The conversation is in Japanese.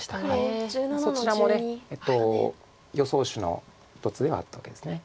そちらも予想手の一つではあったわけです。